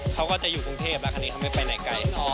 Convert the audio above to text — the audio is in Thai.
เขาก็จะอยู่กรุงเทพแล้วคราวนี้เขาไม่ไปไหนไกล